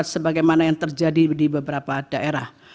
sebagaimana yang terjadi di beberapa daerah